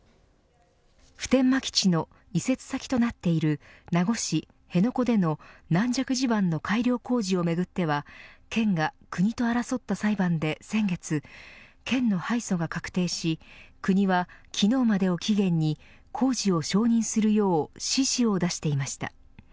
普天間基地の移設先となっている名護市・辺野古での軟弱地盤の改良工事をめぐっては県が国と争った裁判で先月、県の敗訴が確定し国は、昨日までを期限に工事を承認するよう指示を出していました。